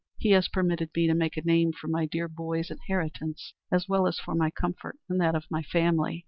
He has permitted me to make a name for my dear boy's inheritance, as well as for my comfort and that of my family."